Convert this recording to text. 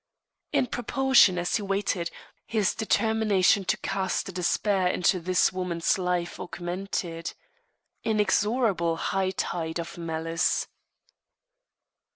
In proportion as he waited, his determination to cast a despair into this woman's life augmented. Inexorable high tide of malice.